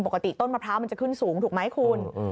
ต้นมะพร้าวมันจะขึ้นสูงถูกไหมคุณ